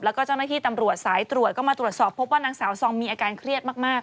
แล้วก็เจ้าหน้าที่ตำรวจสายตรวจก็มาตรวจสอบพบว่านางสาวซองมีอาการเครียดมาก